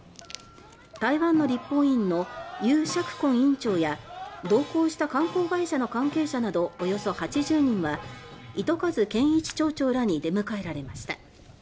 台湾の立法院のユウ・シャクコン院長や同行した観光会社の関係者などおよそ８０人は糸数健一町長らに出迎えられました。